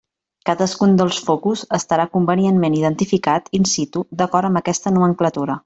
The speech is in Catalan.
Cadascun dels focus estarà convenientment identificat in situ d'acord amb aquesta nomenclatura.